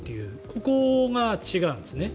ここが違うんですね。